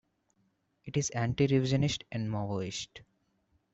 It is Anti-Revisionist and Maoist.